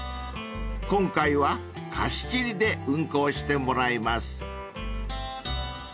［今回は貸し切りで運行してもらいます］